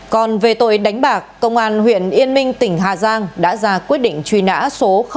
còn về tội đánh bạc công an huyện yên minh tỉnh hà giang đã ra quyết định truy nã số một